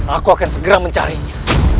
aku akan segera mencarinya